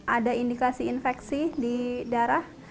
ada indikasi infeksi di darah